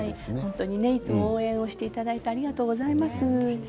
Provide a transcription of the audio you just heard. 本当にねいつも応援をしていただいてありがとうございます。